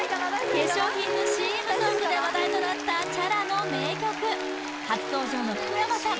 化粧品のＣＭソングで話題となったＣｈａｒａの名曲初登場の福山さん